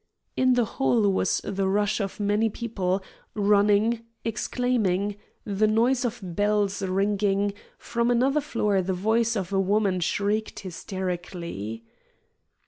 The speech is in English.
In the hall was the rush of many people, running, exclaiming, the noise of bells ringing; from another floor the voice of a woman shrieked hysterically.